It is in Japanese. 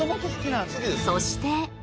［そして］